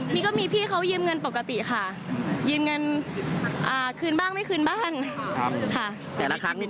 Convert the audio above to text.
มีพี่เขายืมเงินปกติค่ะยืมเงินคืนบ้างไม่คืนบ้าง